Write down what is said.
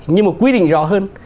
nhưng mà quy định rõ hơn